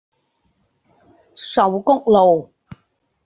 壽菊路